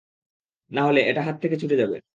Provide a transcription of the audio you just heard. না হলে, এটা হাত থেকে ছুটে যাবে।